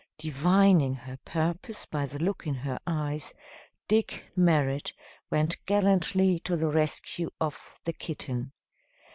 Divining her purpose by the look in her eyes, Dick Merrit went gallantly to the rescue of the kitten.